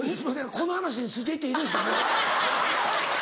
この話について行っていいですかね？